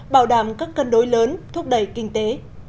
bảo đảm các cân đối lớn thúc đẩy kinh tế